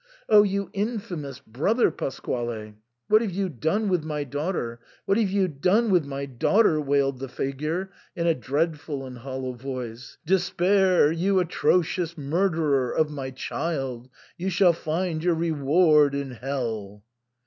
*' O you infamous brother, Pasquale ! what have you done with my daughter ? what have you done with my daughter ?" wailed the figure, in a dreadful and hollow voice. " Despair, you atrocious murderer of my child. You shall find your reward in hell."